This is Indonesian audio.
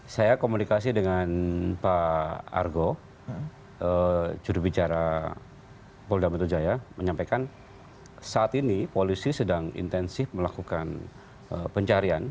saya komunikasi dengan pak argo juru bicara polda menterjaya menyampaikan saat ini polisi sedang intensif melakukan pencarian